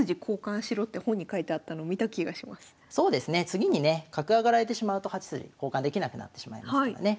次にね角上がられてしまうと８筋交換できなくなってしまいますからね。